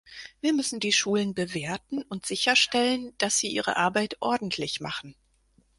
Wir müssen die Schulen bewerten und sicherstellen, dass sie ihre Arbeit ordentlich machen.